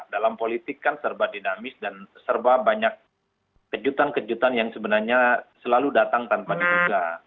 dalam politik kan serba dinamis dan serba banyak kejutan kejutan yang sebenarnya selalu datang tanpa diduga